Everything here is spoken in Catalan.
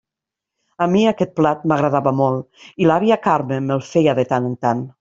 A mi aquest plat m'agradava molt i l'àvia Carme me'l feia de tant en tant.